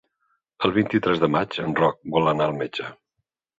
El vint-i-tres de maig en Roc vol anar al metge.